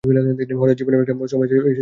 হঠাৎ জীবনের একটা সময়ে এসে উপস্থিত হই।